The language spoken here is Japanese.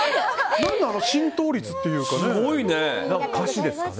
浸透率というかね。